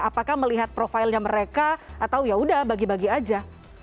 apakah melihat profilnya mereka atau yaudah bagi bagi aja